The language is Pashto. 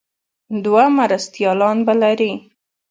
دوه مرستیالان به لري.